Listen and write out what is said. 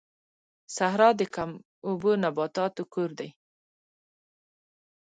صحرا د کم اوبو نباتاتو کور دی